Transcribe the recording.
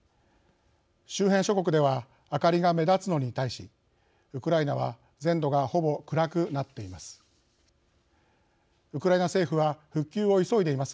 周辺諸国では明かりが目立つのに対しウクライナは全土がほぼ暗くなっています。